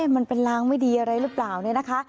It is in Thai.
มันเป็นรางไม่ดีอะไรหรือเปล่าเนี่ยนะคะ